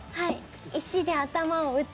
石で頭を打つ。